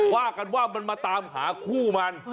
ว่ากันว่ามันมาตามหาคู่มัน